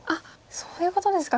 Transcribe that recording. そういうことですか。